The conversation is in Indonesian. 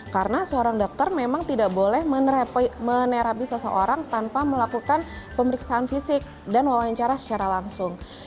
karena seorang dokter memang tidak boleh menerapi seseorang tanpa melakukan pemeriksaan fisik dan wawancara secara langsung